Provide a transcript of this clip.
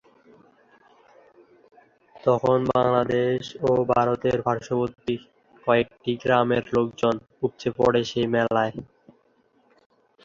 তখন বাংলাদেশ ও ভারতের পার্শ্ববর্তী কয়েকটি গ্রামের লোকজন উপচে পড়ে সেই মেলায়।